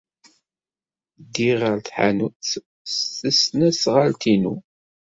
Ddiɣ ɣer tḥanut s tesnasɣalt-inu.